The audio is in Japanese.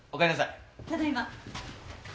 ただいま。